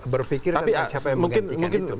berpikir tentang siapa yang menggantikan itu